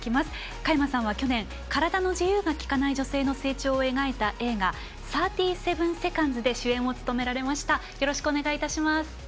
佳山さんは去年、体の自由の利かない女性を描いた映画「３７セカンズ」で主演を務められました。